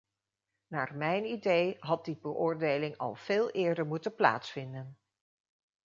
Naar mijn idee had die beoordeling al veel eerder moeten plaatsvinden.